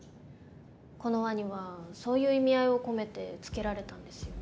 このワニはそういう意味合いを込めて付けられたんですよね。